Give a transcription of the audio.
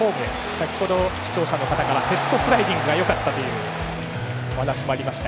先程、視聴者の方からヘッドスライディングがよかったというお話もありました。